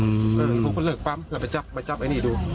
เออผมจะเลือกปั๊มแล้วไปจับไปจับไอ้หนี่ดู